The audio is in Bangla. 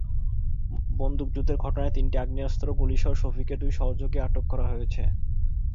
বন্দুকযুদ্ধের ঘটনায় তিনটি আগ্নেয়াস্ত্র, গুলিসহ শফিকের দুই সহযোগীকে আটক করা হয়েছে।